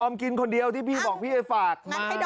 ดอมกินคนเดียวที่พี่บอกพี่ไอฝาด